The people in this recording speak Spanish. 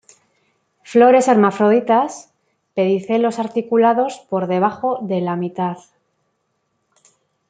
Flores hermafroditas, pedicelos articulados por debajo de la mitad.